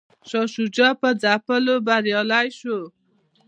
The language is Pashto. شاه شجاع په ځپلو بریالی شو.